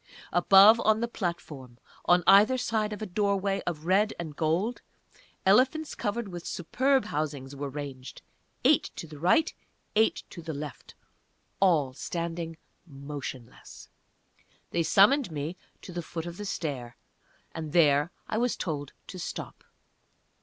Above, on the platform, on either side of a doorway of red and gold, elephants covered with superb housings were ranged eight to the right, eight to the left, all standing motionless. They summoned me to the foot of the stair, and there I was told to stop.